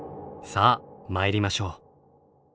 さあ参りましょう。